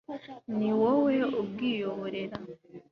ni wowe ubwiyoborera